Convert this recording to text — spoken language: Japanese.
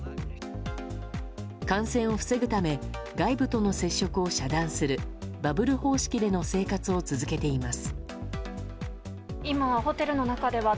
感染を防ぐため外部との接触を遮断するバブル方式での生活を続けています。